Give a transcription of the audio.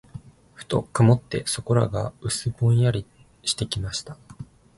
ふと曇って、そこらが薄ぼんやりしてきました。